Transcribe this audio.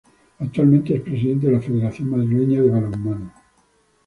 Actualmente es Presidente de la Federación Madrileña de Balonmano.